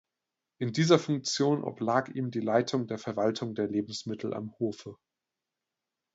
In dieser Funktion oblag ihm die Leitung der Verwaltung der Lebensmittel am Hofe.